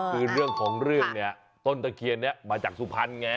คือเรื่องของเรื่องเนี่ยต้นตะเคียนนี้มาจากสุพรรณไง